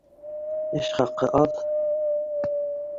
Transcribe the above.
Эш хаҡы аҙ